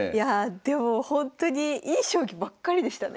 でもほんとにいい将棋ばっかりでしたね。